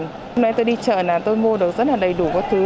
hôm nay tôi đi chợ là tôi mua được rất là đầy đủ các thứ